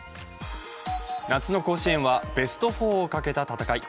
夏の甲子園はベスト４をかけた戦い。